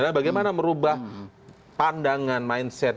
nah bagaimana merubah pandangan mindset